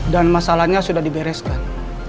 dan masalahnya sudah dibereskan